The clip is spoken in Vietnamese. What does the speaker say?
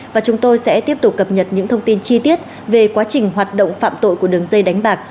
và chúng tôi sẽ tiếp tục cập nhật những thông tin chi tiết về quá trình hoạt động phạm tội của đường dây đánh bạc